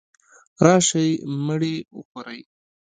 راشئ مړې وخورئ.